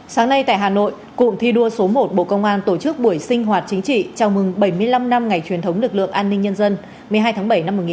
sáng nay tại hà nội cụm thi đua số một bộ công an tổ chức buổi sinh hoạt chính trị chào mừng bảy mươi năm năm ngày truyền thống lực lượng an ninh nhân dân